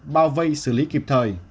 bao vây xử lý kịp thời